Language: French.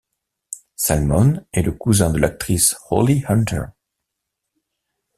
Salmon est le cousin de l'actrice Holly Hunter.